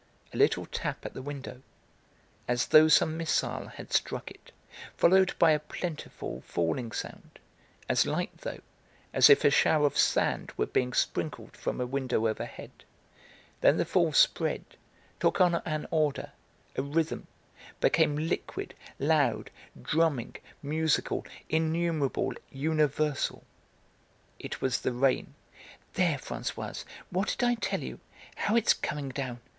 A little tap at the window, as though some missile had struck it, followed by a plentiful, falling sound, as light, though, as if a shower of sand were being sprinkled from a window overhead; then the fall spread, took on an order, a rhythm, became liquid, loud, drumming, musical, innumerable, universal. It was the rain. "There, Françoise, what did I tell you? How it's coming down!